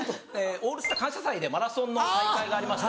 『オールスター感謝祭』でマラソンの大会がありまして。